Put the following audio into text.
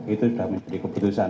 itu sudah menjadi keputusan